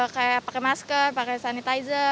kayak pakai masker pakai sanitizer